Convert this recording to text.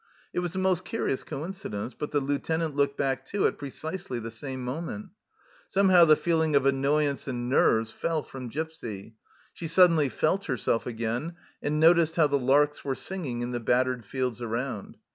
It was a most curious coincidence, but the Lieutenant looked back too, at precisely the same moment ! Some how the feeling of annoyance and "nerves" fell from Gipsy ; she suddenly felt herself again, and noticed how the larks were singing in the battered fields around!